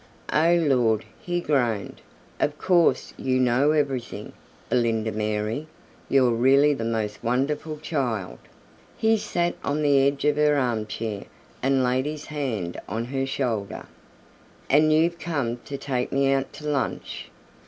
"Oh, Lord!" he groaned. "Of course you know everything. Belinda Mary, you're really the most wonderful child." He sat on the edge of her arm chair and laid his hand on her shoulder. "And you've come to take me out to lunch!"